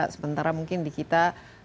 sementara mungkin di kita